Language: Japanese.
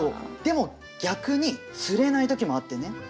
でも逆に釣れない時もあってね